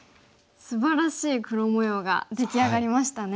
すばらしい黒模様が出来上がりましたね。